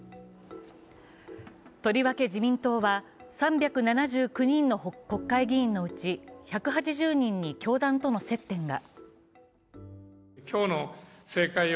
とりわけ自民党は３７９人の国会議員のうち１８０人に教団との接点が。